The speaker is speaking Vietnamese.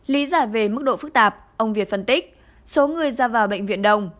lý giả về mức độ phức tạp ông việt phân tích số người ra vào bệnh viện đông